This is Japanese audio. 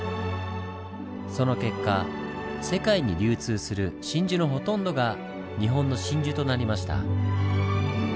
その結果世界に流通する真珠のほとんどが日本の真珠となりました。